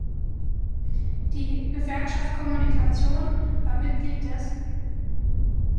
Die "Gewerkschaft Kommunikation" war Mitglied des